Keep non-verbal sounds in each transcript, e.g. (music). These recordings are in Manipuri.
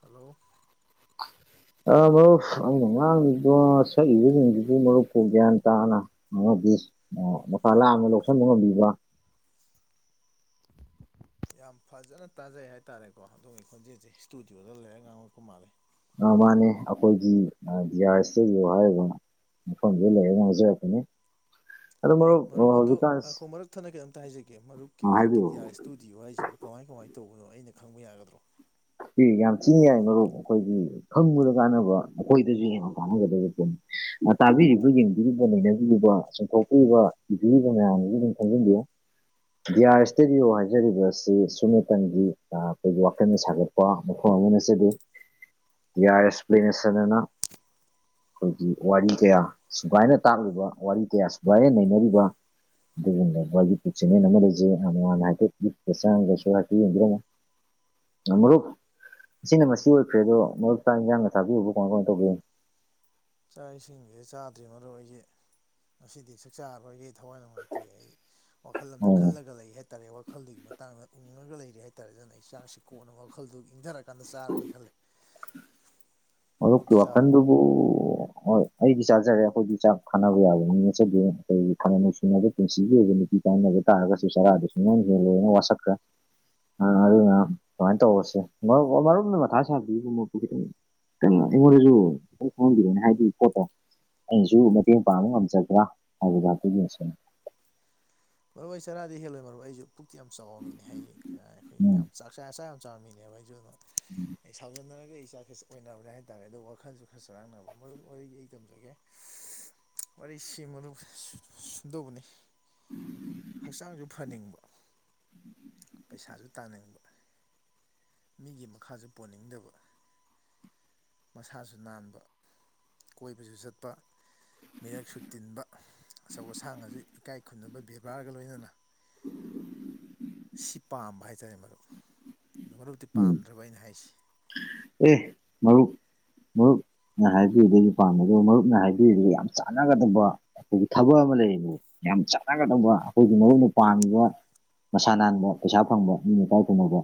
ꯍꯜꯂꯣ (inaudible) ꯑ ꯃꯔꯨꯞ ꯑꯩꯅ ꯉꯥꯡꯉꯤꯗꯣ ꯁꯛꯏꯕꯁꯤꯡꯗꯨꯕꯨ ꯃꯔꯨꯞꯄꯨ ꯒ꯭ꯌꯥꯟ ꯇꯥꯅ ꯉꯥꯡꯕꯤ ꯑꯣ ꯃꯥꯀꯥ ꯂꯥꯝꯅ ꯂꯧꯁꯤꯟꯕ ꯉꯝꯕꯤꯕ꯭ꯔ ꯌꯥꯝ ꯐꯖꯅ ꯇꯥꯖꯩ ꯍꯥꯏꯇꯥꯔꯦꯀꯣ ꯑꯗꯣꯝꯒꯤ ꯈꯣꯟꯖꯦꯜꯁꯦ ꯏꯁꯇꯨꯗꯤꯑꯣꯗ ꯂꯩꯔꯒ ꯉꯥꯡꯉꯛꯄ ꯃꯥꯂꯦ ꯃꯥꯅꯦ ꯑꯈꯣꯏꯒꯤ ꯗꯤ ꯑꯥꯔ ꯏꯁꯇꯗꯤꯑꯣ ꯍꯥꯏꯔꯤꯕꯅ ꯃꯐꯝ ꯗꯨꯗ ꯂꯩꯔ ꯉꯥꯡꯖꯔꯛꯄꯅꯦ ꯑꯦ ꯃꯔꯨꯞ ꯑꯗꯨ ꯑꯈꯣ ꯃꯔꯨꯛ ꯊꯠꯅ ꯀꯩꯝꯇ ꯍꯥꯏꯖꯒꯦ ꯃꯔꯨꯞꯀꯤ ꯍꯨꯖꯤꯛꯀꯤ ꯍꯥꯏꯕꯤꯌꯨ ꯗꯤꯌꯥꯔ ꯏꯁꯇꯨꯗꯤꯑꯣ ꯍꯥꯏꯁꯤꯕꯨ ꯀꯃꯥꯏ ꯀꯃꯥꯏꯅ ꯇꯧꯕꯅꯣ ꯑꯩꯅ ꯈꯪꯕ ꯌꯥꯒꯗ꯭ꯔꯣ ꯌꯥꯝ ꯊꯤ ꯌꯥꯏ ꯃꯔꯨꯞ ꯑꯈꯣꯏꯒꯤ ꯈꯪꯕꯗ ꯀꯥꯟꯅꯕ ꯑꯈꯣꯏꯗꯁꯨ ꯍꯦꯟꯅ ꯀꯥꯟꯅꯒꯗꯕ ꯄꯣꯠꯅꯤ ꯇꯥꯕꯤꯔꯤꯕ ꯌꯦꯡꯕꯤꯔꯤꯕ ꯅꯩꯅꯕꯤꯔꯤꯕ ꯆꯨꯝꯊꯣꯛꯄꯤꯔꯤꯕ ꯏꯕꯤꯔꯤꯕ ꯃꯌꯥꯝꯗꯨꯁꯨ ꯑꯗꯨꯝ ꯈꯪꯖꯤꯟꯕꯤꯌꯨ ꯗꯤꯌꯥꯥꯔ ꯏꯁꯇꯗꯤꯑꯣ ꯍꯥꯏꯖꯔꯤꯕ ꯑꯁꯤ ꯁꯨꯞꯇꯡꯒꯤ ꯑ ꯈꯣꯏꯒꯤ ꯋꯥꯈꯟꯗꯅ ꯁꯥꯒꯠ ꯄ ꯃꯐꯝ ꯑꯃ ꯅꯠꯆꯗꯦ ꯗꯤꯌꯥꯥꯏ ꯑꯦꯛꯁꯄ꯭ꯂꯦꯅꯦꯁꯟ ꯑꯅ ꯈꯣꯏꯒꯤ ꯋꯥꯔꯤ ꯀꯌꯥ ꯁꯨꯒꯥꯏꯅ ꯇꯥꯛꯂꯤꯕ ꯋꯥꯔꯤ ꯀꯌꯥ ꯁꯨꯒꯥꯏꯅ ꯅꯩꯅꯔꯤꯕ ꯑꯗꯨꯒꯨꯝꯂꯕ ꯌꯨꯇꯨꯕ ꯆꯦꯅꯦꯟ ꯑꯃ ꯂꯩꯖꯩ ꯑ ꯃꯉꯥꯜꯅ ꯍꯥꯏꯐꯦꯠ ꯌꯨꯇꯨꯕꯇ ꯆꯡꯉꯒꯁꯨ ꯍꯥꯏꯐꯦꯠ ꯌꯦꯡꯕꯤꯔꯝꯃꯨ ꯅ ꯃꯔꯨꯞ ꯑꯁꯤꯅ ꯃꯁꯤ ꯑꯣꯏꯈ꯭ꯔꯦ ꯑꯗꯣ ꯃꯔꯨꯞ ꯆꯥꯛ ꯏꯟꯖꯥꯡꯅ ꯆꯥꯕꯤꯔꯕꯔꯣ ꯃꯁꯤ ꯀꯃꯥꯏ ꯀꯃꯥꯏꯅ ꯇꯧꯒꯦ ꯆꯥꯛ ꯏꯁꯤꯡꯁꯦ ꯆꯥꯗ꯭ꯔꯤ ꯃꯔꯨ ꯑꯩꯖꯦ ꯉꯁꯤꯗꯤ ꯆꯥꯛ ꯆꯥꯔꯔꯣꯏꯒꯤ ꯊꯋꯥꯏ ꯅꯨꯡꯉꯥꯏꯇꯦ ꯑꯩ ꯋꯥꯈꯜꯂꯣꯟꯗ ꯎꯝ ꯈꯜꯂꯒ ꯂꯩ ꯍꯥꯏꯇꯥꯔꯦ ꯋꯥꯈꯜꯗꯨꯒꯤ ꯃꯇꯥꯡꯗ ꯈꯪꯉꯒ ꯂꯩꯔꯦ ꯍꯥꯏꯇꯥꯔꯦ ꯑꯗꯨꯅ ꯆꯥꯛꯁꯤ ꯀꯣꯟꯅ ꯋꯥꯈꯜꯗꯨ ꯏꯪꯗꯔꯀꯥꯟꯗ ꯆꯥꯔꯒꯦ ꯈꯜꯂꯦ ꯃꯔꯨꯞꯀꯤ ꯃꯔꯨꯞꯇꯤ ꯆꯥꯔꯕꯣ ꯋꯥꯈꯟꯗꯨꯕꯨ ꯍꯣꯏ ꯑꯩꯗꯤ ꯆꯥꯖꯔꯦ ꯑꯈꯣꯏꯒꯤ ꯆꯥꯛ ꯊꯥꯅꯕ ꯌꯥꯕ ꯃꯤ ꯅꯆꯗꯦ ꯈꯣꯏꯒꯤ ꯈꯅ ꯅꯨꯡꯁꯤꯅꯕ ꯄꯨꯟꯁꯤꯒꯤ ꯑꯣꯏꯕ ꯅꯨꯄꯤ ꯀꯥꯏ ꯇꯥꯔꯒꯁꯨ ꯆꯔꯥꯗꯨꯁꯨ ꯅ ꯂꯣꯏꯅ ꯋꯥꯁꯛꯈ꯭ꯔꯦ ꯑ ꯇꯃꯥꯏ ꯇ ꯑꯣꯁꯦ ꯀꯊꯥꯏ ꯆ ꯃ ꯀꯩꯅꯣ ꯑꯩꯉꯣꯟꯗꯁꯨ ꯈꯪꯍꯟꯕꯤꯔꯅꯦ ꯍꯥꯏꯗꯤ ꯄꯣꯠꯇꯣ ꯑꯩꯁꯨ ꯃꯇꯦꯡ ꯄꯥꯡꯕ ꯉꯝꯖꯕ꯭ꯔꯥ ꯍꯥꯏꯕꯗ ꯑꯗꯨꯒꯤ ꯊꯖꯋꯥꯣꯏ ꯆꯔꯥꯗꯤ ꯍꯦꯜꯂꯣꯏ ꯃꯔꯨ ꯑꯩꯁꯨ ꯄꯨꯛꯇꯤ ꯌꯥꯝ ꯆꯥꯎꯕ ꯃꯤꯅꯦ ꯍꯥꯏꯌꯦ ꯑꯩꯈꯣꯏ ꯎꯝ ꯌꯥꯝ ꯆꯥꯛ ꯆꯆꯥ ꯑꯆꯥ ꯌꯥꯝ ꯆꯥꯝꯃꯤꯅꯦꯕ ꯍꯥꯏꯁꯨ ꯑꯩ ꯁꯥꯎꯖꯔ ꯑꯩꯩ ꯏ ꯆꯆꯥꯁ ꯑꯣꯏꯅꯕ꯭ꯔꯦ ꯍꯥꯏꯇꯥꯔꯦ ꯑꯣ ꯋꯥꯈꯜꯁꯨ ꯈꯔ ꯆꯔꯥꯡꯅꯕ ꯃꯔꯝ ꯑꯣꯏꯔꯒ ꯑꯩ ꯇꯝꯖꯒꯦ ꯋꯥꯔꯤ ꯁꯤꯃꯅꯗꯧꯕꯅꯤ ꯎꯝ ꯍꯛꯆꯥꯡꯁꯨ ꯐꯅꯤꯡꯕ ꯄꯩꯁꯥꯁꯨ ꯇꯥꯅꯤꯡꯕ ꯃꯤꯒꯤ ꯃꯈꯥꯁꯨ ꯄꯣꯟꯅꯤꯡꯗꯕ ꯃꯁꯥꯁꯨ ꯅꯥꯟꯕ ꯀꯣꯏꯕꯁꯨ ꯆꯠꯄ ꯃꯤꯔꯛꯁꯨ ꯇꯤꯟꯕ ꯑꯆꯧ ꯑꯁꯥꯡꯁꯨ ꯏꯀꯥꯏ ꯈꯨꯝꯅꯕ ꯕꯦꯕꯥꯔꯒ ꯂꯣꯏꯅꯅ ꯁꯤ ꯄꯥꯝꯕ ꯍꯥꯏꯇꯥꯔꯦ ꯃꯗꯨ ꯑꯣ ꯃꯔꯨꯞꯇꯤ ꯎꯝ ꯄꯥꯝꯗ꯭ꯔꯕ ꯑꯩꯅ ꯍꯥꯏꯁꯤ ꯑꯦ ꯃꯨ ꯃꯔꯨꯞꯅ ꯍꯥꯏꯕꯤꯕꯗꯒꯤ ꯄꯥꯝꯝꯕ ꯑꯗꯨꯒ ꯃꯔꯨꯞꯅ ꯍꯥꯏꯕꯤꯔꯤꯗꯨꯒ ꯌꯥꯝ ꯆꯥꯟꯅꯒꯗꯕ ꯑꯩꯈꯣꯏꯒꯤ ꯊꯕꯛ ꯂꯩꯌꯦ ꯌꯥꯝ ꯆꯥꯟꯅꯒꯗꯕ ꯑꯩꯈꯣꯏꯒꯤ ꯃꯔꯨꯅ ꯄꯥꯝꯃꯤꯕ ꯃꯁꯥ ꯅꯥꯟꯕ ꯄꯩꯁꯥ ꯐꯪꯕ ꯃꯤꯅꯀꯥꯏ ꯈꯨꯝꯅꯧꯕ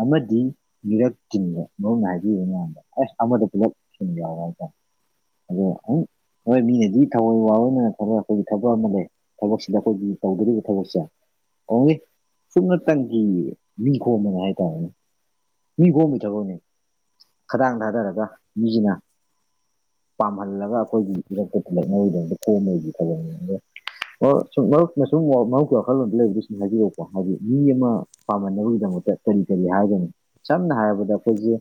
ꯑꯃꯗꯤ ꯃꯤꯔꯛ ꯆꯤꯟꯕ ꯃꯔꯨꯅ ꯍꯥꯏꯕꯤꯌꯨ ꯃꯌꯥꯝꯗ ꯑꯁ ꯑꯃꯗ ꯄꯨꯂꯞ ꯆꯤꯟꯕ ꯌꯥꯎꯋꯦ ꯍꯥꯏꯇꯥꯔꯦ ꯑꯗꯣ ꯑꯎꯝ ꯍꯣꯏ ꯃꯤꯅꯗꯤ ꯊꯑꯣꯏ ꯋꯥꯔꯣꯏꯅ ꯊꯕꯛ ꯑꯩꯈꯣꯏꯒꯤ ꯊꯕꯛ ꯑꯃ ꯂꯩ ꯊꯕꯛꯁꯤꯗ ꯑꯩꯈꯣꯏꯒꯤ ꯇꯧꯗꯣꯔꯤꯕ ꯊꯕꯛꯁꯦ ꯑꯣ ꯁꯨꯞꯅꯇꯪꯒꯤ ꯅꯤꯡꯡꯈꯣ ꯑꯃꯅ ꯍꯥꯏꯇꯥꯔꯦꯅꯦ ꯃꯤ ꯈꯣꯝꯃꯤ ꯊꯕꯛꯅꯤ ꯈꯗꯥꯡꯗ ꯍꯥꯏꯗꯔꯒ ꯃꯤꯁꯤꯅ ꯄꯥꯝꯍꯜꯂꯒ ꯑꯩꯈꯣꯏꯒꯤ ꯏꯔꯛꯇ ꯂꯩꯉꯣꯏꯒꯤꯗꯃꯛꯇ ꯈꯣꯝꯝꯕꯣꯏꯒꯤ ꯊꯕꯛꯅꯤ ꯑꯣ ꯁꯨꯝ ꯃꯔꯨꯞ ꯁꯨꯝ ꯃꯔꯨꯞꯀꯤ ꯋꯥꯈꯜꯂꯣꯟꯗ ꯂꯩꯕꯒꯤ ꯁꯨꯝ ꯍꯥꯏꯕꯤꯔꯛꯄꯣ ꯍꯥꯏꯗꯤ ꯃꯤ ꯑꯃ ꯄꯥꯝꯟꯅꯕꯒꯤꯗꯃꯛꯇ ꯑꯣ ꯊꯦꯡ ꯍꯥꯏꯒꯅꯤ ꯁꯝꯅ ꯍꯥꯏꯔꯕꯗ ꯑꯩꯈꯣꯏꯁꯦ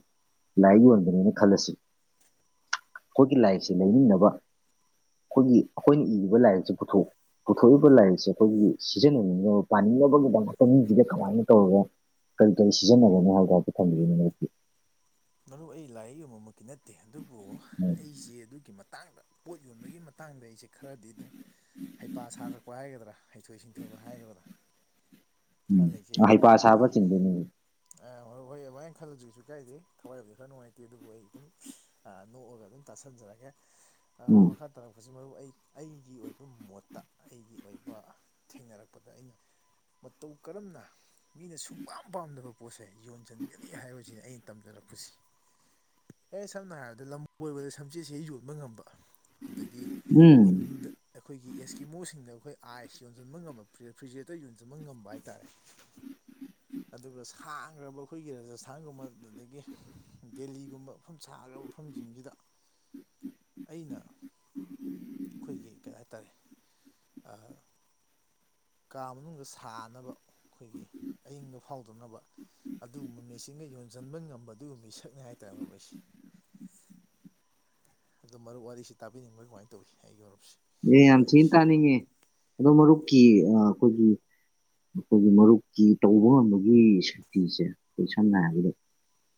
ꯂꯥꯏ ꯌꯣꯟꯕꯅꯦꯅ ꯈꯜꯂꯁꯤ ꯑꯩꯈꯣꯏꯒꯤ ꯂꯥꯏꯔꯤꯛꯁ ꯂꯩꯃꯤꯟꯅꯅꯕ ꯑꯩꯈꯣꯏꯒꯤ ꯑꯩꯈꯣꯏꯅ ꯏꯔꯤꯕ ꯂꯥꯏꯔꯤꯛꯁ ꯄꯨꯊꯣꯛ ꯄꯨꯊꯣꯛꯏꯕ ꯂꯥꯏꯔꯤꯛꯁꯦ ꯑꯩꯈꯣꯏꯒꯤ ꯁꯤꯖꯤꯟꯅꯅꯤꯡꯉꯕ ꯄꯥꯅꯤꯡꯅꯕꯒꯤꯗꯃꯛꯇ ꯃꯤꯁꯤꯗ ꯀꯃꯥꯏꯅ ꯇꯧꯔꯒ ꯀꯔꯤ ꯀꯔꯤ ꯁꯤꯖꯤꯟꯅꯕꯅꯣ ꯍꯥꯏ ꯇꯥꯎꯇ ꯊꯝꯕꯤꯔꯤꯅꯤꯄꯤ ꯃꯔꯨ ꯑꯩ ꯂꯥꯏꯔꯤ ꯌꯦꯛ ꯌꯕꯃꯛꯀꯤ ꯅꯠꯇꯦ ꯑꯗꯨꯕꯨ ꯎꯝ ꯑꯩꯁꯦ ꯑꯗꯨꯒꯤꯛ ꯃꯇꯥꯡꯗ ꯄꯣꯠ ꯌꯣꯟꯕꯒꯤ ꯃꯇꯥꯡꯗ ꯑꯩꯁꯦ ꯈꯔꯗꯤ ꯑꯗꯨꯝ ꯍꯩꯄꯥ ꯁꯥꯔꯛꯄ ꯍꯥꯏꯒꯗ꯭ꯔꯥ ꯍꯩꯊꯣꯏ ꯁꯤꯡꯊꯣꯏꯕ ꯍꯥꯏꯒꯗ꯭ꯔꯥ ꯈꯔ ꯎꯝ ꯍꯩꯄꯥ ꯁꯥꯕ ꯆꯤꯡꯗꯣꯏꯅꯤ ꯑ ꯍꯣꯏ ꯍꯣꯏꯃꯥꯏꯅ ꯈꯜꯂꯗꯨꯁꯨ ꯀꯥꯏꯗꯦ ꯊꯋꯥꯏꯕꯗꯤ ꯈꯔ ꯅꯨꯡꯉꯥꯏꯇꯦ ꯑꯗꯨꯕꯨ ꯑꯩ ꯑꯗꯨꯝ ꯑ ꯅꯣꯛꯑꯒ ꯑꯗꯨꯝ ꯇꯥꯁꯟꯖꯔꯒꯦ ꯑ ꯎꯝ ꯃꯈ ꯈꯔ ꯇꯔ ꯑꯁꯤ ꯃꯔꯨ ꯑꯩ ꯑꯩꯒꯤ ꯑꯣꯏꯕ ꯃꯣꯠꯇ ꯑꯩꯒꯤ ꯑꯣꯏꯕ ꯊꯦꯡꯅꯔꯛꯄꯗ ꯑꯩꯅ ꯃꯇꯧ ꯀꯔꯝꯅ ꯃꯤꯅ ꯁꯨꯡꯀꯥ ꯄꯥꯝꯗꯕ ꯄꯣꯠꯁꯩ ꯌꯣꯟꯁꯤꯟꯒꯅꯤ ꯍꯥꯏꯕꯁꯤꯅꯤ ꯑꯩꯅ ꯇꯝꯖꯔꯛꯄ ꯑꯦ ꯁꯝꯅ ꯍꯥꯏꯔꯕꯗ ꯂꯝꯣꯏꯕꯗ ꯁꯝꯆꯦꯠꯁꯦ ꯌꯣꯟꯕ ꯉꯝꯕ ꯑꯗꯒꯤ ꯎꯝ ꯎꯟꯗ ꯑꯩꯈꯣꯏꯒꯤ ꯑꯦꯁꯀꯤ ꯃꯣꯁꯤꯡꯗ ꯑꯩꯈꯣꯏ ꯑꯥꯏꯁ ꯌꯣꯟꯁꯤꯟꯕ ꯉꯝꯕ ꯔꯦꯐ꯭ꯔꯤꯖꯔꯦꯇꯔ ꯌꯣꯟꯁꯤꯟꯕ ꯉꯝꯕ ꯍꯥꯏꯇꯥꯔꯦ ꯑꯗꯨꯒ ꯁꯥꯡꯈ꯭ꯔꯕ ꯑꯩꯈꯣꯏꯒꯤ ꯔꯥꯖꯁꯊꯥꯟꯒꯨꯝꯕ ꯑꯗꯨꯗꯒꯤ ꯗꯦꯜꯂꯤꯒꯨꯝꯕ ꯃꯐꯝ ꯁꯥꯈ꯭ꯔꯕ ꯃꯐꯝꯁꯤꯡꯁꯤꯗ ꯑꯩꯅ ꯑꯩꯈꯣꯏꯒꯤ ꯀꯩ ꯍꯥꯏꯇꯥꯔꯦ ꯀꯥ ꯃꯅꯨꯡꯗ ꯁꯥꯅꯕ ꯑꯩꯈꯣꯏꯒꯤ ꯑꯌꯤꯡꯕ ꯐꯥꯎꯗꯅꯕ ꯑꯗꯨꯒꯨꯝꯕ ꯃꯦꯆꯤꯟꯒ ꯌꯣꯟꯁꯤꯟꯕ ꯉꯝꯕ ꯑꯗꯨꯒꯨꯝꯕ ꯃꯤꯁꯛꯅꯤ ꯍꯥꯏꯇꯥꯔꯦ ꯑꯩꯈꯣꯏꯁꯦ (inaudible) ꯑꯗꯣ ꯃꯔꯨꯞ ꯋꯥꯔꯤꯁꯤ ꯇꯥꯕꯤꯅꯤꯡꯕꯒꯤ ꯀꯃꯥꯏꯅ ꯇꯧꯋꯤ ꯑꯩꯒꯤ ꯃꯔꯨꯞ ꯑꯦ ꯌꯥꯝ ꯊꯤꯅ ꯇꯥꯅꯤꯡꯉꯦ ꯑꯗꯣ ꯃꯔꯨꯞꯀꯤ ꯑꯩꯈꯣꯏꯒꯤ ꯑꯩꯈꯣꯏꯒꯤ ꯃꯔꯨꯞꯀꯤ ꯇꯧꯕ ꯉꯝꯕꯒꯤ ꯁꯛꯇꯤꯁꯦ ꯑꯩꯈꯣꯏ ꯁꯝꯅ ꯍꯥꯏꯔꯕꯗ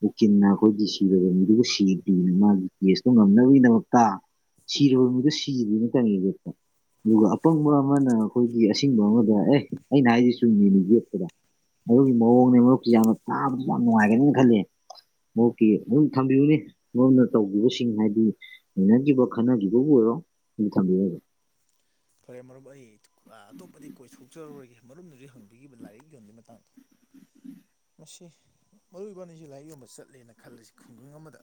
ꯎꯀꯤꯟꯅ ꯑꯩꯈꯣꯏꯒꯤ ꯁꯤꯕ ꯃꯤꯗꯨꯕꯨ ꯁꯤꯗ꯭ꯅ ꯃꯥꯒꯤ ꯀꯦꯁꯇꯣ ꯉꯝꯅꯕꯒꯤꯗꯃꯛꯇ ꯁꯤꯔꯔꯕꯔ ꯃꯗ ꯁꯤꯔ ꯇ ꯌꯦ ꯌꯦꯠꯇꯦ ꯑꯗꯨꯒ ꯑꯄꯪꯕ ꯑꯃꯅ ꯑꯩꯈꯣꯏꯒꯤ ꯑꯁꯕ ꯑꯃꯗ ꯑꯦ ꯑꯩꯅ ꯍꯥꯏꯁꯤ ꯆꯨꯝ ꯃꯤꯦꯅꯤꯨ ꯌꯦꯛꯄꯗ ꯃꯔꯗꯨꯒꯤ ꯃꯑꯣꯡꯅꯦ ꯃꯔꯨꯞꯁꯤ ꯌꯥꯝꯅ ꯇꯥꯕꯗ ꯌꯥꯝ ꯅꯨꯡꯉꯥꯏꯒꯅꯦꯅ ꯈꯜꯂꯤ ꯃꯀꯤ ꯃꯣꯏ ꯊꯝꯕꯤꯌꯨꯅꯦ ꯃꯣꯏꯅ ꯇꯧꯈꯤꯕꯁꯤꯡ ꯍꯥꯏꯕꯗꯤ ꯅꯩꯅꯈꯤꯕ ꯈꯟꯅꯈꯤꯕꯕꯨ ꯑꯣꯏꯔꯣ ꯑꯗꯨ ꯊꯝꯕꯤꯔꯒꯦ ꯐꯔꯦ ꯃꯔꯨꯞ ꯑꯩ ꯑꯇꯣꯞꯄꯗꯤ ꯀꯣꯏꯊꯣꯛꯆꯔꯔꯣꯏꯒꯦ ꯃꯔꯨꯝꯗꯨꯗꯤ ꯍꯪꯕꯤꯈꯤꯕ ꯂꯥꯏꯔꯤꯛ ꯌꯣꯟꯕꯒꯤ ꯃꯇꯥꯡꯗꯣ ꯑꯁꯤ ꯃꯔꯨꯑꯣꯏꯕꯅꯤꯁꯤ ꯂꯥꯏꯔꯤꯛ ꯌꯣꯟꯕ ꯆꯠꯂꯦꯅ ꯈꯜꯂꯤꯁꯤ ꯈꯨꯡꯒꯪ ꯑꯃꯗ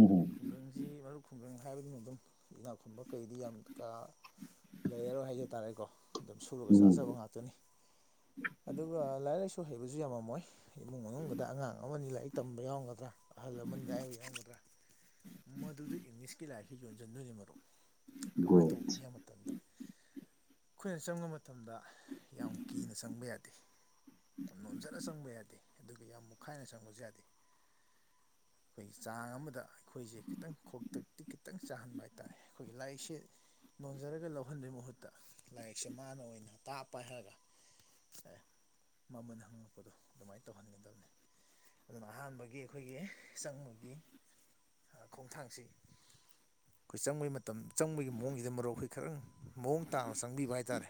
ꯎꯝ ꯈꯨꯡꯒꯪꯁꯤ ꯃꯔꯨꯞ ꯈꯨꯡꯒꯪ ꯍꯥꯏꯕꯗꯨꯅ ꯑꯗꯨꯝ ꯏꯅꯥꯛ ꯈꯨꯟꯕ ꯀꯩꯗꯤ ꯌꯥꯝ ꯀꯥ ꯂꯩꯔꯔꯣꯏ ꯍꯥꯏꯖ ꯇꯥꯔꯦꯀꯣ ꯑꯗꯨꯝ ꯁꯨꯔꯒ ꯎꯝ ꯆꯥꯖꯕ ꯉꯥꯛꯇꯅꯤ ꯑꯗꯨꯒ ꯂꯥꯏꯔꯤꯛ ꯂꯥꯏꯁꯨ ꯑꯣꯏ ꯍꯩꯕꯁꯨ ꯌꯥꯝꯃꯝꯃꯣꯏ ꯏꯃꯨꯡ ꯃꯅꯨꯡꯗ ꯑꯉꯥꯡ ꯑꯃꯅꯤ ꯂꯥꯏꯔꯤꯛ ꯇꯝꯕ ꯌꯥꯎꯒꯗ꯭ꯔꯥ ꯑꯍꯜ ꯂꯃꯟꯒꯥꯏ ꯌꯥꯎꯕ ꯌꯥꯎꯒꯗ꯭ꯔꯥ ꯃꯗꯨꯗ ꯏꯪꯂꯤꯁꯀꯤ ꯂꯥꯏꯔꯤꯛꯁꯤ ꯌꯣꯟꯁꯤꯟꯗꯣꯏꯅꯤ ꯃꯔꯨꯞ ꯀꯃꯥꯏꯅ ꯒꯣꯜ ꯇꯧ ꯍꯕ ꯑꯩꯈꯣꯏꯅ ꯆꯪꯕ ꯃꯇꯝꯗ ꯌꯥꯝ ꯀꯤꯅ ꯆꯪꯕ ꯌꯥꯗꯦ ꯌꯥꯝ ꯅꯣꯝꯖꯂ ꯆꯪꯕ ꯌꯥꯗꯦ ꯑꯗꯨꯒ ꯌꯥꯝ ꯃꯨꯛꯈꯥꯏꯅ ꯆꯪꯕꯁꯨ ꯌꯥꯗꯦ (unintelligible) ꯑꯩꯈꯣꯏꯒꯤ ꯆꯥꯡ ꯑꯃꯗ ꯑꯩꯈꯣꯏꯁꯦ ꯈꯤꯇꯪ ꯈꯇꯛꯇꯤ ꯈꯤꯇꯪ ꯆꯥꯍꯟꯕ ꯍꯥꯏꯇꯥꯔꯦ ꯑꯩꯈꯣꯏꯒꯤ ꯂꯥꯏꯔꯤꯛꯁꯦ ꯅꯣꯟꯖꯔꯒ ꯂꯧꯍꯟꯕꯩ ꯃꯍꯨꯠꯇ ꯂꯥꯏꯔꯤꯛꯁꯦ ꯃꯥꯅ ꯑꯣꯏꯅ ꯇꯥꯞꯄ ꯍꯥꯏꯔꯒ ꯃꯃꯜ ꯍꯪꯉꯛꯄꯗꯣ ꯑꯗꯨꯃꯥꯏꯅ ꯇꯧꯍꯟꯒꯗꯕꯅꯦ ꯑꯗꯨꯅ ꯑꯍꯥꯟꯕꯒꯤ ꯑꯩꯈꯣꯏꯒꯤ ꯆꯪꯕꯒꯤ ꯈꯣꯡꯊꯥꯡꯁꯤ ꯑꯩꯈꯣꯏ ꯆꯪꯕꯩ ꯃꯇꯝ ꯆꯪꯕꯒꯤ ꯃꯑꯣꯡꯁꯤꯗ ꯃꯔꯨꯞ ꯑꯩꯈꯣꯏ ꯔꯪ ꯃꯑꯣꯡ ꯇꯥꯅ ꯆꯪꯕꯤꯕ ꯍꯥꯏꯇꯥꯔꯦ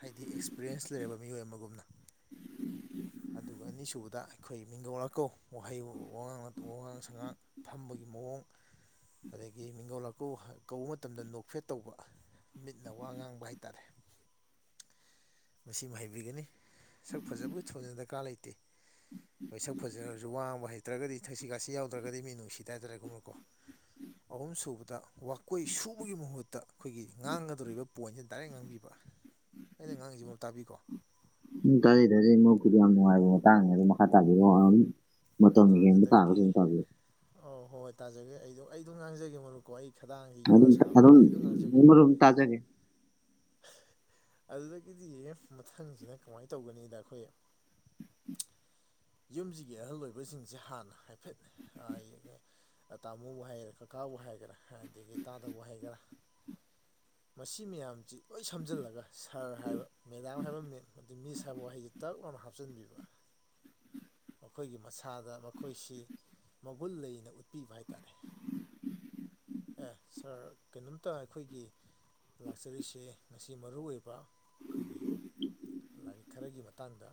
ꯍꯥꯏꯗꯤ ꯑꯦꯛꯁꯄꯤꯔꯤꯌꯦꯟꯁ ꯂꯩꯔꯕ ꯃꯤꯑꯣꯏ ꯑꯃꯒꯨꯝꯅ ꯎꯝ ꯑꯗꯨꯒ ꯑꯅꯤꯁꯨꯕꯗ ꯑꯩꯈꯣꯏ ꯃꯤꯡꯒꯧꯂꯛꯀꯧ ꯋꯥꯍꯩ ꯋꯥ ꯋꯥꯉꯥꯡ ꯁꯉꯥꯡ ꯊꯝꯕꯒꯤ ꯃꯑꯣꯡ ꯑꯗꯒꯤ ꯃꯤꯒꯣꯜ ꯑꯥꯛꯀꯧ ꯀꯧꯕ ꯃꯇꯝꯗ ꯅꯣꯛꯐꯦꯠ ꯇꯧꯕ ꯃꯤꯠꯅ ꯋꯥ ꯉꯥꯡꯕ ꯍꯥꯏꯇꯥꯔꯦ (unintelligible) ꯃꯁꯤꯃ ꯍꯩꯕꯤꯒꯅꯤ ꯁꯛ ꯐꯖꯕꯒꯤ ꯊꯣꯟꯅ ꯗꯔꯀꯥꯔ ꯂꯩꯇꯦ ꯍꯣꯏ ꯁꯛ ꯐꯖꯔꯁꯨ ꯋꯥꯡꯕ ꯍꯩꯇ꯭ꯔꯒꯗꯤ ꯁꯛꯁꯤ ꯈꯥꯁꯤ ꯌꯥꯎꯗ꯭ꯔꯒꯗꯤ ꯃꯤ ꯅꯨꯡꯁꯤ ꯇ ꯍꯥꯏꯇꯥꯔꯦꯒꯨꯝꯕꯅꯀꯣ ꯑꯍꯨꯝ ꯁꯨꯕꯗ ꯋꯥꯋꯀꯣꯏ ꯁꯨꯕꯒꯤ ꯃꯍꯨꯠꯇ ꯑꯩꯈꯣꯏꯒꯤ ꯉꯥꯡꯒꯗꯧꯔꯤꯕ ꯄꯣꯏꯟꯁꯦ ꯗꯥꯏꯔꯦꯛ ꯉꯥꯡꯕꯤꯕ ꯎꯝ ꯑꯩꯅ ꯉꯉꯥꯡꯁꯤꯃꯜ ꯇꯥꯕꯤꯀꯣ ꯎꯝ ꯇꯥꯔꯤ ꯇꯥꯔꯤ ꯃꯄꯨꯗꯤ ꯌꯥꯝ ꯅꯨꯡꯉꯥꯏꯕꯣ ꯃꯇꯥꯡꯉꯦ ꯑꯗꯨ ꯃꯈꯥ ꯇꯥꯕꯤꯔꯣꯑꯣ ꯑꯥ ꯑꯗꯨꯗꯒꯤ ꯑꯧ ꯍꯣꯏ ꯍꯣꯏ ꯇꯥꯖꯒꯦ ꯑꯩꯗꯣ ꯑꯩꯗꯣ ꯉꯥꯡꯖꯒꯦ ꯃꯔꯣꯔꯨꯞꯀꯣ ꯑꯩ ꯈꯗꯥꯡꯁꯦ ꯌꯣꯠꯅ ꯑꯗꯨꯝ ꯑꯗꯨ ꯁꯥꯕꯅꯤꯅ ꯑꯩꯗꯣ ꯉꯥꯡꯖꯒꯦ ꯑꯗꯨꯝ ꯃꯝ ꯇꯥꯖꯥꯒꯦ ꯑꯗꯨꯗꯒꯤꯗꯤ ꯃꯊꯪꯁꯤꯅ ꯀꯃꯥꯏꯅ ꯇꯧꯒꯅꯤꯗ ꯑꯩꯈꯣꯏ ꯎ ꯌꯨꯝꯁꯤꯒꯤ ꯑꯍꯜ ꯑꯣꯏꯕꯁꯤꯡꯁꯦ ꯍꯥꯟꯅ ꯍꯥꯏꯐꯦꯠ ꯇꯥꯃꯣꯕꯨ ꯍꯥꯏꯔꯦ ꯀꯥ ꯇꯥꯎꯕ ꯍꯥꯏꯒꯦꯔꯥ ꯑꯗꯒꯤ ꯇꯥꯗꯕ ꯍꯥꯏꯒꯦꯔꯥ ꯎ ꯃꯁꯤ ꯃꯌꯥꯝꯁꯤ ꯂꯣꯏ ꯁꯝꯖꯜꯂꯒ ꯁꯥꯔ ꯍꯥꯏꯕ ꯃꯦꯗꯥꯝ ꯍꯥꯏꯕ ꯃꯤ ꯑ ꯃꯤꯁ ꯍꯥꯏꯕ ꯋꯥꯍꯩꯁꯦ ꯇꯔꯛ ꯍꯥꯞꯆꯤꯟꯕꯤꯕ (unintelligible) ꯃꯈꯣꯏꯒꯤ ꯃꯁꯥꯗ ꯃꯈꯣꯏꯁꯤ ꯃꯒꯨꯟ ꯂꯩꯅ ꯎꯠꯄꯤꯕ ꯍꯥꯏꯇꯥꯔꯦꯗ ꯑꯦ ꯁꯥꯔ ꯀꯩꯅꯣꯝꯇ ꯑꯩꯈꯣꯏꯒꯤ ꯂꯥꯛꯆꯔꯤꯁꯦ ꯉꯁꯤ ꯃꯔꯨ ꯑꯣꯏꯕ ꯑꯩꯈꯣꯏꯒꯤ ꯂꯥꯏꯔꯤꯛ ꯈꯔꯒꯤ ꯃꯇꯥꯡꯗ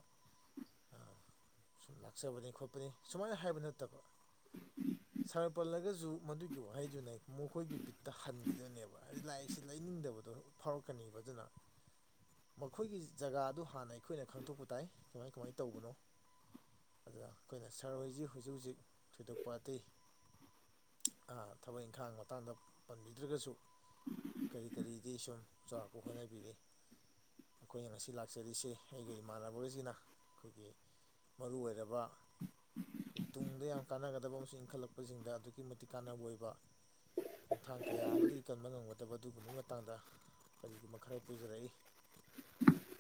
ꯁꯨꯝ ꯂꯥꯛꯆꯕꯅꯤ ꯈꯣꯠꯄꯅꯤ ꯁꯨꯃꯥꯏꯅ ꯍꯥꯏꯕ ꯅꯠꯇꯕ ꯁꯥꯔ ꯄꯜꯂꯒꯁꯨ ꯃꯗꯨꯒꯤ ꯍꯥꯏꯗꯨꯅ ꯃꯈꯣꯏꯒꯤ ꯕꯤꯠꯇ ꯍꯟꯈꯤꯗꯣꯏꯅꯦꯕ ꯍꯥꯏꯗꯤ ꯂꯥꯏꯔꯤꯛꯁꯤ ꯂꯩꯅꯤꯡꯗꯕꯗꯣ ꯐꯥꯎꯔꯛꯀꯅꯦꯕ ꯑꯗꯨꯅ ꯃꯈꯣꯏꯒꯤ ꯖꯒꯥꯗꯨ ꯍꯥꯟꯅ ꯑꯩꯈꯣꯏꯅ ꯈꯪꯗꯣꯛꯄ ꯇꯥꯏ ꯀꯃꯥꯏ ꯀꯃꯥꯏ ꯇꯧꯕꯅꯣ ꯑꯗꯨꯅ ꯑꯩꯈꯣꯏꯅ ꯁꯥꯔ ꯍꯣꯏꯁꯤ ꯍꯧꯖꯤꯛ ꯍꯧꯖꯤꯛ ꯊꯣꯏꯗꯣꯛꯄ ꯑꯇꯩ ꯑꯥ ꯊꯕꯛ ꯏꯪꯈꯥꯡ ꯃꯇꯥꯡꯗ ꯄꯟꯕꯤꯗ꯭ꯔꯒꯁꯨ ꯀꯔꯤ ꯀꯔꯤꯗꯤ ꯁꯨꯝ ꯆꯥꯎꯔꯥꯛꯄ ꯍꯣꯠꯅꯕꯤꯔꯤ ꯑꯩꯈꯣꯏꯅ ꯉꯁꯤ ꯂꯥꯛꯆꯔꯤꯁꯤꯦ ꯑꯩꯒ ꯏꯃꯥꯟꯅꯕꯁꯤꯅ ꯑꯩꯈꯣꯏꯒꯤ ꯃꯔꯨ ꯑꯣꯏꯔꯕ ꯑꯩꯈꯣꯏ ꯇꯨꯡꯗ ꯌꯥꯝ ꯀꯥꯟꯅꯒꯗꯕ ꯑꯃꯁꯨꯡ ꯏꯟꯈꯠꯂꯛꯄꯁꯤꯡꯗ ꯑꯗꯨꯛꯀꯤ ꯃꯇꯤꯛ ꯀꯥꯟꯅꯕ ꯑꯣꯏꯕ ꯈꯣꯡꯊꯥꯡ ꯀꯌꯥ ꯑꯃꯗꯒꯤ ꯀꯟꯕ ꯉꯝꯒꯗꯕ ꯑꯗꯨꯒꯨꯝꯕꯒꯤ ꯃꯇꯥꯡꯗ ꯀꯔꯤꯒꯨꯝꯕ ꯈꯔ ꯄꯨꯖꯔꯛꯏ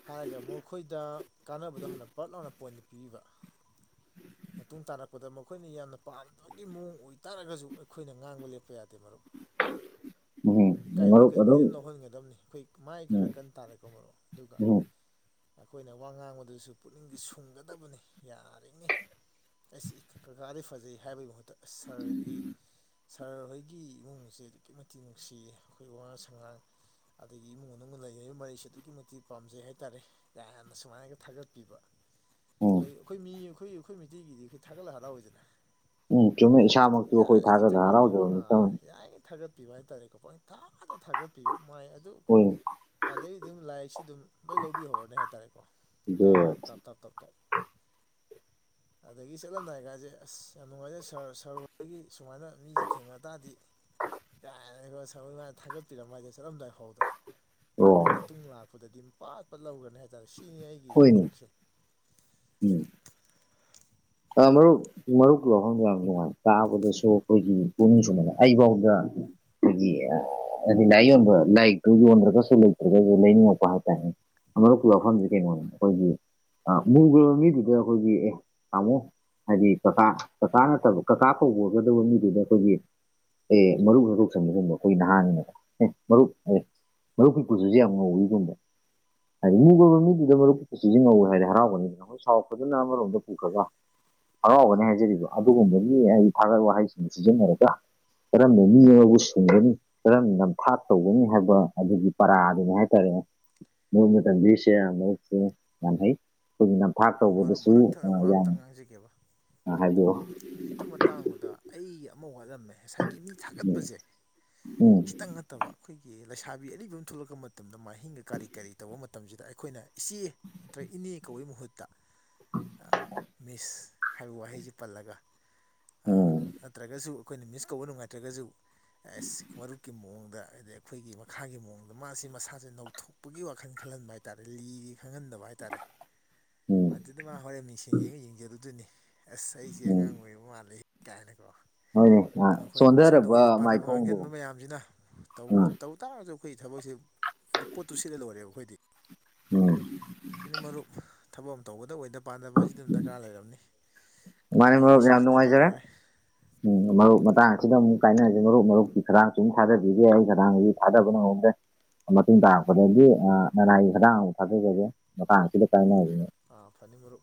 ꯍꯥꯏꯔꯒ ꯃꯈꯣꯏꯗ ꯀꯥꯟꯅꯕꯗꯣ ꯍꯥꯟꯅ ꯄꯂꯞ ꯂꯥꯎꯅ ꯄꯣꯏꯟ ꯄꯤꯕꯤꯕ ꯃꯇꯨꯡ ꯇꯥꯔꯛꯄꯗ ꯃꯈꯣꯏꯅ ꯌꯥꯝꯅ ꯄꯥꯝꯗꯕꯒꯤ ꯃꯑꯣꯡ ꯑꯣꯏꯇꯥꯥꯔꯒꯁꯨ ꯑꯩꯈꯣꯏꯅ ꯉꯥꯡꯕ ꯂꯦꯞꯄ ꯌꯥꯗꯦ ꯃꯔꯨꯞ (unintelligible) ꯏꯀꯥꯏꯕꯣꯏ ꯀꯔꯤꯕꯣꯏ ꯑꯗꯨꯝ ꯂꯧꯍꯟꯒꯗꯕꯅꯤ ꯑꯩꯈꯣꯏ ꯃꯥꯏ ꯎꯝ ꯈꯔ ꯀꯟꯅ ꯇꯥꯅꯀꯣ ꯃꯔꯣ ꯑꯗꯨꯒ ꯎꯝ ꯑꯩꯈꯣꯏꯅ ꯋꯥ ꯉꯥꯡꯕꯗꯨꯁꯨ ꯄꯨꯛꯅꯤꯡꯗꯤ ꯁꯨꯡꯒꯗꯕꯅꯤ ꯌꯥꯔꯤꯉꯩ ꯑꯩ ꯀꯀꯥꯗꯤꯩ ꯐꯖꯩ ꯍꯥꯏꯕꯒꯤ ꯃꯍꯨꯠꯇ ꯁꯥꯔꯒꯤ ꯁꯥꯔ ꯍꯣꯏ ꯑꯩꯒꯤ ꯏꯃꯨꯡꯁꯦ ꯑꯗꯨꯛꯀꯤ ꯃꯇꯤꯛ ꯅꯨꯡꯁꯤꯌꯦ ꯑꯩꯈꯣꯏ ꯋꯥꯉ ꯁꯉꯥꯡ ꯑꯗꯒꯤ ꯏꯃꯨꯡ ꯃꯅꯨꯡ ꯂꯩꯅꯔꯤꯕ ꯃꯔꯤꯁꯦ ꯑꯗꯨꯛꯀꯤ ꯃꯇꯤꯛ ꯄꯥꯝꯖꯩ ꯍꯥꯏ ꯇꯥꯔꯦ ꯌꯥꯝꯅ ꯁꯨꯃꯥꯏꯅꯒ ꯊꯥꯒꯠꯄꯤꯕ ꯎꯝ ꯑꯩꯈꯣꯏ ꯑꯩꯈꯣꯏ ꯃꯤ ꯑꯩꯈꯣꯏ ꯑꯩꯈꯣꯏ ꯃꯩꯇꯩꯒꯤꯗꯤ ꯑꯩꯈꯣꯏ ꯊꯥꯒꯠꯂ ꯍꯔꯥꯎꯋꯏꯗꯅ ꯎꯝ ꯆꯨꯝꯃꯦ ꯏꯁꯥꯃꯛꯁꯨ ꯑꯩꯈꯣꯏ ꯊꯥꯒꯠꯗ ꯊꯥꯒꯠꯄꯤꯕ ꯑꯥ ꯍꯔꯥꯎꯖꯕꯅꯤꯇꯕꯅꯤ ꯌꯥꯔꯤꯉꯩ ꯊꯥꯒꯠꯄꯤꯕ ꯍꯥꯏꯇꯥꯔꯦꯀꯣ ꯄꯅ ꯊꯥꯗ ꯊꯥꯒꯠꯄꯤꯕ ꯃꯥꯏ ꯑꯗꯨ ꯑꯣꯏꯅ ꯑꯗꯩ ꯑꯗꯨꯝ ꯂꯥꯏꯔꯤꯛꯁꯤ ꯑꯗꯨꯝ ꯂꯣꯏ ꯂꯧꯕꯤꯍꯧꯔꯅꯤ ꯍꯥꯏ ꯇꯔꯦꯀꯣ ꯇ ꯖꯦꯔꯣ ꯇ ꯇ ꯇ ꯇ (unintelligible) (inaudible) ꯑꯗꯒꯤ ꯆꯠꯂꯝꯗꯥꯏꯀꯁꯦ ꯑꯁ ꯌꯥꯝ ꯅꯨꯡꯉꯥꯏꯖꯔꯦ ꯁꯔ ꯁꯔ ꯍꯗꯒꯤ ꯁꯨꯃꯥꯏꯅ ꯃꯤꯁꯦ ꯊꯦꯡꯅ ꯇꯥꯔꯗꯤ ꯌꯥ ꯁ ꯊꯥꯒꯠꯄꯤꯔꯝꯃ ꯍꯥꯏꯁꯦ ꯆꯠꯂꯝꯗꯥꯏ ꯐꯥꯎꯗ ꯑꯣ ꯃꯇꯨꯡ ꯂꯥꯛꯄꯗꯗꯤ ꯄꯥꯠꯄꯠ ꯂꯧꯒꯅꯤ ꯍꯥꯏꯇꯥꯥꯔꯦ ꯀ ꯍꯥꯏꯒꯤ ꯍꯣꯏꯅꯦ ꯀꯣꯛꯁ ꯎꯝ ꯃꯔꯨꯞ ꯃꯔꯨꯞ ꯌꯥꯍꯪꯕ ꯌꯥꯝ ꯅꯨꯡꯉꯥꯏ ꯇꯥꯕꯗꯁꯨ ꯑꯩꯈꯣꯏꯒꯤ ꯄꯨꯛꯅꯤꯡ ꯁꯨꯕꯅ ꯑꯩꯐꯥꯎꯗ ꯍꯥꯏꯗꯤ ꯍꯥꯏꯗꯤ ꯂꯥꯏ ꯌꯣꯟꯕ ꯂꯥꯏꯔꯤꯛꯇꯨ ꯌꯣꯟꯗ꯭ꯔꯒꯁꯨ ꯂꯩꯇ꯭ꯔꯒꯁꯨ ꯂꯩꯅꯤꯡꯉꯛꯄ ꯍꯥꯏꯇꯥꯔꯦ ꯃꯔꯨꯞꯀꯤ ꯋꯥꯐꯝꯁꯦ ꯀꯩꯅꯣ ꯑꯩꯈꯣꯏꯒꯤ ꯃꯨꯒꯤꯕ ꯃꯤꯗꯨꯗ ꯑꯩꯈꯣꯏꯒꯤ ꯑꯦ ꯇꯥꯃꯣ ꯍꯥꯏꯗꯤ ꯀꯀꯥ ꯀꯀꯥ ꯅꯠꯇꯕ ꯀꯀꯥ ꯀꯧꯕꯒꯗꯕ ꯃꯤꯗꯨꯗ ꯑꯩꯈꯣꯏꯒꯤ ꯑꯦ ꯃꯔꯨꯞ ꯃꯔꯣꯛ ꯁꯪꯕ ꯁꯗꯣ ꯑꯩꯈꯣꯏ ꯅꯍꯥꯟꯅꯀ ꯑꯦ ꯃꯔꯨꯞ ꯑꯦ ꯃꯔꯨꯞꯈꯄꯨꯔꯁꯨꯁꯦ ꯌꯥꯝ ꯉꯧꯤꯒꯨꯝꯕ ꯍꯥꯏꯗꯤ ꯃꯤ ꯀꯣꯏꯕ ꯃꯤꯗꯨꯗ ꯃꯔꯨꯞ ꯄꯨꯟꯁꯤꯁꯤ ꯉꯧꯋꯦ ꯍꯥꯏꯗꯤ ꯍꯔꯥꯎꯕꯅꯤꯅꯈꯣꯏ ꯁꯥꯎꯔꯛꯄꯗꯨꯅ ꯑꯃꯔꯣꯝꯗ ꯄꯨꯈ꯭ꯔꯒ ꯍꯔꯥꯎꯕꯅꯤ ꯍꯥꯏꯖꯔꯤꯕ ꯑꯗꯨꯒꯨꯝꯕ ꯃꯤ ꯑꯩ ꯊꯥꯒꯠ ꯋꯥꯍꯩꯁꯤꯡꯗꯨ ꯁꯤꯖꯤꯟꯅꯔꯒ ꯀꯔꯝꯝꯕ ꯃꯤ ꯑꯃꯕꯨ ꯁꯨꯡꯒꯅꯤ ꯀꯔꯝ ꯅꯝꯊꯥꯛ ꯇꯧꯒꯅꯤ ꯍꯥꯏꯕ ꯑꯗꯨꯒꯤ ꯄꯔꯥ ꯑꯗꯨꯅꯦ ꯍꯥꯏꯇꯥꯔꯦ ꯃꯃꯇꯪ ꯕꯤꯁ ꯃꯁꯦ ꯅ ꯍꯩ ꯊꯥꯛ ꯃꯔꯨꯞ ꯇꯧꯕꯗꯁꯨ ꯃꯔꯛ ꯊꯠꯅ ꯋꯥ ꯌꯥꯝ ꯑꯝꯇ ꯉꯥꯡꯖꯒꯦꯕ ꯍꯥꯏꯕꯤꯌꯑꯣ ꯍꯧꯖꯤꯛꯀꯤ ꯃꯇꯥꯡꯗꯨꯗ ꯑꯩ ꯑꯃ ꯋꯥꯠꯂꯝꯃꯦ ꯉꯁꯥꯏꯒꯤ ꯃꯤ ꯎꯝ ꯊꯥꯒꯠꯄꯁꯦ ꯎꯝ ꯈꯤꯇꯪ ꯅꯠꯇꯕ ꯑꯩꯈꯣꯏꯒꯤ ꯂꯩꯁꯥꯕꯤ ꯑꯔꯤꯕ ꯑꯃ ꯊꯣꯛꯂꯛꯄ ꯃꯇꯝꯗ ꯃꯍꯤꯡꯒ ꯀꯔꯤ ꯀꯔꯤ ꯇꯧꯕ ꯃꯇꯝꯁꯤꯗ ꯑꯩꯈꯣꯏꯅ ꯏꯆꯦ ꯅꯠꯇ꯭ꯔꯒ ꯏꯅꯦ ꯇꯧꯕꯒꯤ ꯃꯍꯨꯠꯇ ꯃꯤꯁ ꯍꯥꯏꯕ ꯋꯥꯍꯩꯁꯤ ꯄꯜꯂꯒ ꯎꯝ ꯅꯠꯇ꯭ꯔꯒꯁꯨ ꯑꯩꯈꯣꯏꯅ ꯃꯤꯁ ꯀꯧꯕ ꯅꯨꯡꯉꯥꯏꯇ꯭ꯔꯒꯁꯨ ꯑꯦꯁ ꯃꯔꯨꯞꯀꯤ ꯃꯑꯣꯡꯗ ꯑꯗꯩ ꯑꯩꯈꯣꯏꯒꯤ ꯃꯈꯥꯒꯤ ꯃꯑꯣꯡꯗ ꯃꯥꯁꯤ ꯃꯁꯥꯁꯦ ꯅꯧꯊꯣꯛꯄꯒꯤ ꯋꯥꯈꯜ ꯈꯜꯍꯟꯕ ꯍꯥꯏꯇꯥꯔꯦ ꯂꯤꯔꯤ ꯈꯪꯍꯟꯗꯕ ꯍꯥꯏꯇꯥꯔꯦ ꯎꯝ ꯃꯗꯨꯗ ꯃꯥ ꯍꯣꯔꯦꯟ ꯃꯤꯡꯁꯦꯟ ꯌꯦꯡꯉ ꯌꯦꯡꯖꯔꯨꯗꯨꯣꯏꯅꯤ ꯑꯁ ꯑꯩꯁꯦ ꯑꯉꯥꯡ ꯑꯣꯏꯕ ꯃꯥꯜꯂꯦ ꯀꯥꯏꯅ ꯍꯅꯦ ꯑꯩꯈꯣꯏꯅꯗꯤ ꯁꯣꯝꯗ ꯑꯣꯏꯗ ꯄꯥꯗꯕ ꯉꯥꯡꯁꯤꯟꯕ ꯃꯌꯥꯝꯁꯤꯅ ꯎꯝ ꯇꯧ ꯇꯥꯔꯁꯨ ꯑꯩꯈꯣꯏꯒꯤ ꯊꯕꯛꯁꯦ ꯍꯥꯏꯗꯤ ꯄꯣꯠꯇꯨ ꯁꯤꯠꯂ ꯂꯧꯔꯦꯕ ꯑꯩꯈꯣꯏꯗꯤ ꯎꯝ ꯁꯤꯗꯤ ꯃꯔꯨꯞ ꯊꯕꯛ ꯑꯃ ꯇꯧꯕꯗ ꯑꯣꯏꯗꯕ ꯄꯥꯟꯗꯕ ꯑꯁꯤ ꯑꯗꯨꯝ ꯗꯔꯀꯥꯔ ꯂꯩꯔꯕꯅꯤ ꯀꯥ ꯃꯥꯅꯤ ꯍꯦꯟꯅ ꯃꯔꯨꯞ ꯌꯥꯝ ꯁꯤꯖꯤꯟꯅꯗ꯭ꯔ ꯅꯨꯡꯉꯥꯏꯖꯔꯦ ꯂꯣꯏꯔꯦ ꯎꯝ ꯃꯔꯨꯞ ꯃꯇꯥꯡ ꯑꯁꯤꯗ ꯑꯃꯨꯛ ꯀꯥꯏꯅꯔꯁꯦ ꯃꯔꯨꯞ ꯃꯔꯨꯞꯁꯤ ꯈꯗꯥꯥꯡ ꯁꯨꯝ ꯊꯥꯗꯕꯤꯒꯦ ꯑꯩ ꯈꯔꯥꯡꯁꯤ ꯊꯥꯗꯕ ꯅꯝꯗ ꯃꯇꯨꯡ ꯇꯥꯔꯛꯄꯗꯒꯤ ꯂꯅꯥꯏ ꯍꯗꯥꯡ ꯑꯃ ꯊꯥꯖꯖꯒꯦ ꯃꯇꯥꯡ ꯑꯁꯤꯗ ꯀꯥꯏꯅꯅꯤ ꯑꯥ ꯐꯅꯤꯃꯨꯔ